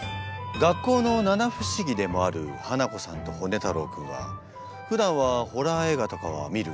学校の七不思議でもあるハナコさんとホネ太郎君はふだんはホラー映画とかは見る？